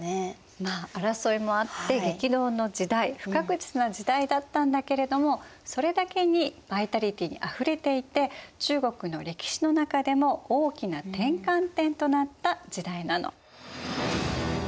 まあ争いもあって激動の時代不確実な時代だったんだけれどもそれだけにバイタリティーにあふれていて中国の歴史の中でも大きな転換点となった時代なの。